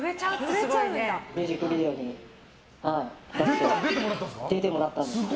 ミュージックビデオに出てもらったんです。